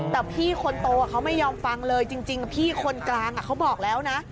แต่พี่คนโตเขาไม่ยอมฟังเลยจริงพี่คนกลางเขาบอกแล้วนะ